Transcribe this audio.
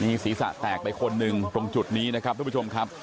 มีศีรษะแตกไปคนหนึ่งตรงจุดนี้นะครับทุกผู้ชมครับ